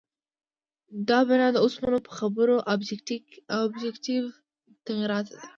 دا بنا د اوسنو په خبره آبجکټیف تغییراتو ده.